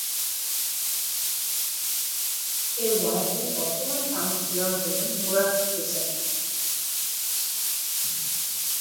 এ ওয়ার্ডের বর্তমান কাউন্সিলর হলেন মুরাদ হোসেন।